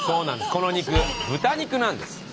この肉豚肉なんです。